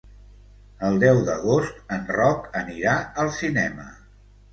El deu d'agost en Roc anirà al cinema.